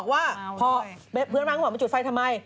เขาบอกว่าเพื่อนมานี่หยุดไฟทำไม